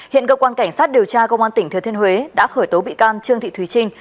hiện cơ quan cảnh sát điều tra công an tỉnh thừa thiên huế đã khởi tố bị can trương thị thùy trinh